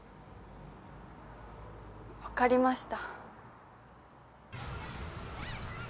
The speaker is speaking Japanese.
わかりました。